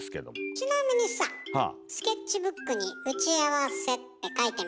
ちなみにさスケッチブックに「うちあわせ」って書いてみてくれる？